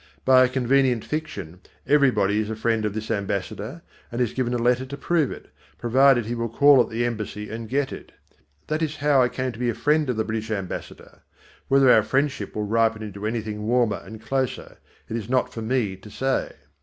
By a convenient fiction, everybody is the friend of this ambassador, and is given a letter to prove it, provided he will call at the Embassy and get it. That is how I came to be a friend of the British Ambassador. Whether our friendship will ripen into anything warmer and closer, it is not for me to say.